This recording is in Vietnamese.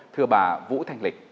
thưa bà vũ thành lịch